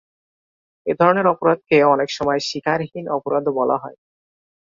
এধরনের অপরাধকে অনেক সময় শিকারহীন অপরাধও বলা হয়।